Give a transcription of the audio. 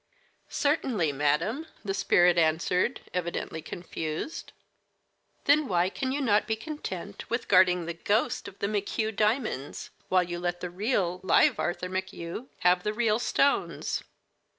"Certainly, madam," the spirit answered, evidently confused. "Then why can you not be content with guarding the ghost of the McHugh diamonds, while you let the real, live Arthur McHugh have the real stones?"